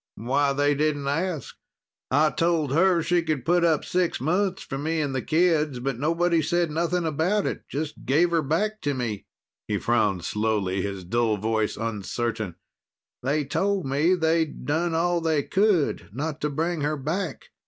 "Why, they didn't ask. I told her she could put up six months from me and the kids, but nobody said nothing about it. Just gave her back to me." He frowned slowly, his dull voice uncertain. "They told me they'd done all they could, not to bring her back.